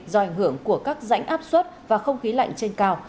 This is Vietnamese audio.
do ảnh hưởng của các rãnh áp suất và không khí lạnh trên cao